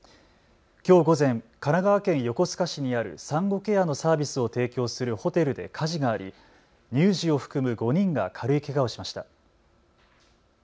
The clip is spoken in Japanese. きょう午前、神奈川県横須賀市にある産後ケアのサービスを提供するホテルで火事があり乳児を含む５人が軽いけがをしました。